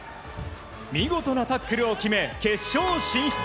見事なタックルを決め決勝進出。